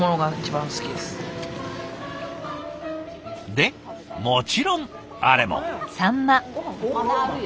でもちろんあれも。